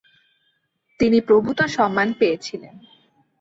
তিনি প্রভূত সম্মান পেয়েছিলেন।